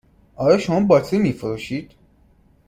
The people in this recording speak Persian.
آیا شما باطری می فروشید؟